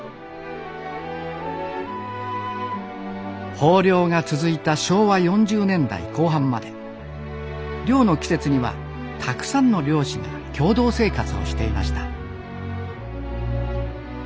豊漁が続いた昭和４０年代後半まで漁の季節にはたくさんの漁師が共同生活をしていました。